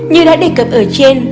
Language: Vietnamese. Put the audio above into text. như đã đề cập ở trên